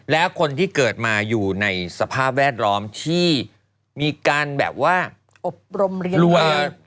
แล้วคนที่เกิดมาอยู่ในสภาพแวดล้อมที่มีการแบบว่าอบรมเรียนรวย